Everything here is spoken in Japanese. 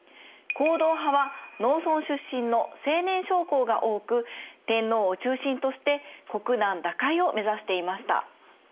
皇道派は農村出身の青年将校が多く天皇を中心として国難打開をめざしていました。